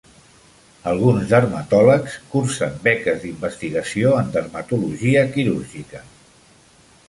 Alguns dermatòlegs cursen beques d"investigació en dermatologia quirúrgica.